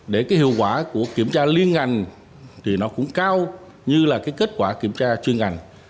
để cái hiệu quả của kiểm tra liên ngành thì nó cũng cao như là cái kết quả kiểm tra chuyên ngành